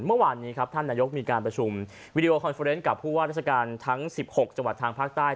เมื่อวานนี้ครับท่านนายกมีการประชุมวิดีโอคอนเฟอร์เนสกับผู้ว่าราชการทั้ง๑๖จังหวัดทางภาคใต้